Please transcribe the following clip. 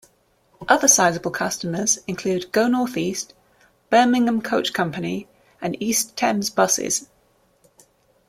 Other sizeable customers include Go North East, Birmingham Coach Company and East Thames Buses.